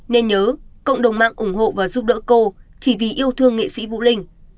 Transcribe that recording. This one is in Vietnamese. nên nhớ cộng đồng mạng ủng hộ và giúp đỡ cô chỉ vì yêu thương nghệ sĩ vũ linh